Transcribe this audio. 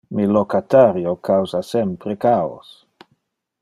Mi locatario causa sempre chaos.